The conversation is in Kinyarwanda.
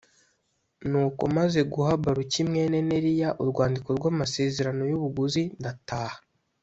Nuko maze guha Baruki mwene Neriya urwandiko rw amasezerano y ubuguzi ndataha